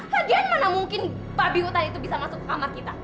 bagian mana mungkin babi hutan itu bisa masuk ke kamar kita